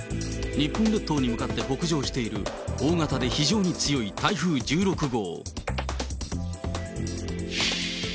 日本列島に向かって北上している大型で非常に強い台風１６号。